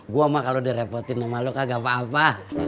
gue mah kalau direpotin sama lo kagak apa apa